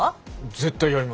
絶対やりますよ！